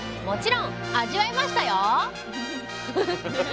もちろん味わいましたよ！